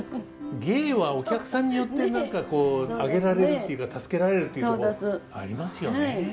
芸はお客さんによって何かこう上げられるっていうか助けられるっていうとこありますよね。